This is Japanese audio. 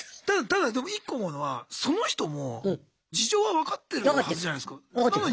ただでも１個思うのはその人も事情は分かってるはずじゃないですか。